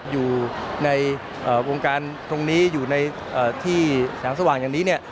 อยู่ในวงการตรงนี้อยู่ที่สถานสนวัยอย่างนี้